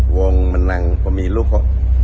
wong menang pemilu kok